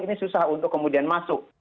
ini susah untuk kemudian masuk